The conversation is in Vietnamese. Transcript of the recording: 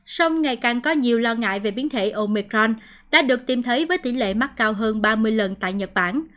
sông ngày càng có nhiều lo ngại về biến thể omicron đã được tìm thấy với tỷ lệ mắc cao hơn ba mươi lần tại nhật bản